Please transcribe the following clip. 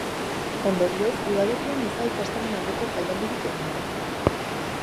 Ondorioz, udaberrian ez da ikastolen aldeko jaialdirik egingo.